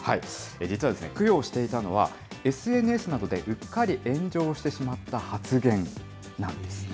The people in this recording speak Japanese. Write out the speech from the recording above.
実は供養していたのは、ＳＮＳなどでうっかり炎上してしまった発言なんです。